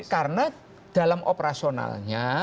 karena dalam operasionalnya